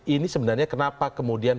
ini sebenarnya kenapa kemudian